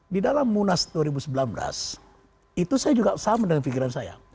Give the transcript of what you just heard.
di dalam munas dua ribu sembilan belas itu saya juga sama dengan pikiran saya